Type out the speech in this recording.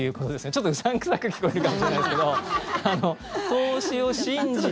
ちょっと、うさん臭く聞こえるかもしれないですけど投資を信じて。